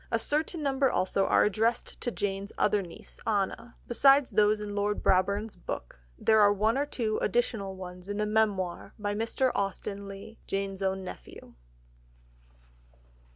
A certain number also are addressed to Jane's other niece, Anna. Besides those in Lord Brabourne's book, there are one or two additional ones in the Memoir by Mr. Austen Leigh, Jane's own nephew.